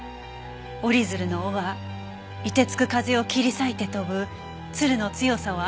折り鶴の尾は凍てつく風を切り裂いて飛ぶ鶴の強さを表しているのだと。